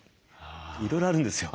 いろいろあるんですよ。